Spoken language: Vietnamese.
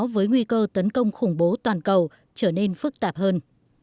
với nguy cơ tấn công khủng bố toàn cầu trở nên phức tạp hơn